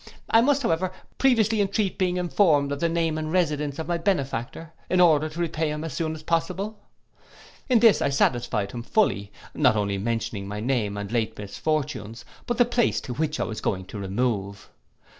I must, however, previously entreat being informed of the name and residence of my benefactor, in order to repay him as soon as possible.' In this I satisfied him fully, not only mentioning my name and late misfortunes, but the place to which I was going to remove.